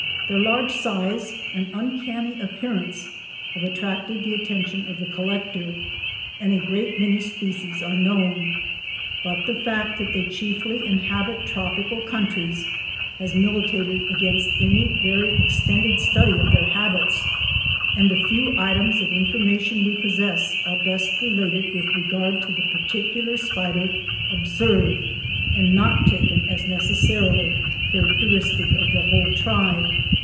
Their large size and uncanny appearance have attracted the attention of the collector, and a great many species are known, but the fact that they chiefly inhabit tropical countries has militated against any very extended study of their habits, and the few items of information we possess are best related with regard to the particular spider observed, and not taken as necessarily characteristic of the whole tribe.